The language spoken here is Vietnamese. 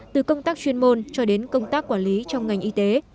từ công tác chuyên môn cho đến công tác quản lý trong ngành y tế